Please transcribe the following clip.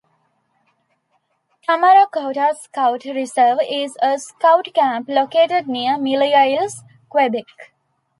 Tamaracouta Scout Reserve is a Scout camp located near Mille Isles, Quebec.